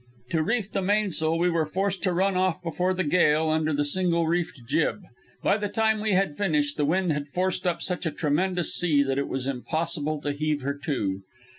To reef the mainsail we were forced to run off before the gale under the single reefed jib. By the time we had finished the wind had forced up such a tremendous sea that it was impossible to heave her to.